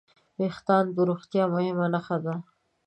وېښتيان د روغتیا مهمه نښه ده.